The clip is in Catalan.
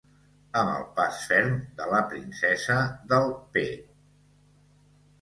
Amb el pas ferm de la princesa del p